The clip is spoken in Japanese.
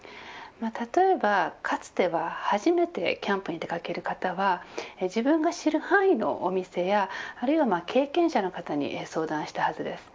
例えば、かつては初めてキャンプに出掛ける方は自分が知る範囲のお店やあるいは経験者の方に相談したはずです。